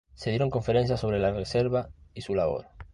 Se dieron conferencias sobre la reserva y su labor.